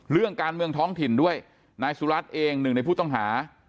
เรื่องการเมืองท้องถิ่นด้วยนายสุรัตน์เองหนึ่งในผู้ต้องหา